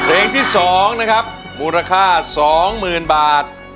เพลงที่สองนะครับมูลค่าสองหมื่นบาท